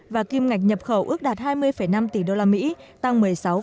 và kim ngạch nhập khẩu ước đạt hai mươi năm tỷ đô la mỹ tăng một mươi sáu hai